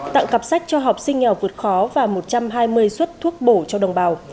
tặng cặp sách cho học sinh nghèo vượt khó và một trăm hai mươi xuất thuốc bổ cho đồng bào